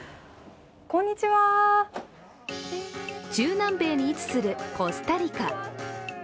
こんにちは中南米に位置するコスタリカ。